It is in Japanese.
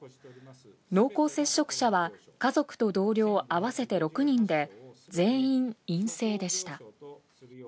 濃厚接触者は、家族と同僚合わせて６人で全員陰性でした。